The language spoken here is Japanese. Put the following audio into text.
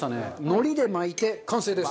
海苔で巻いて完成です。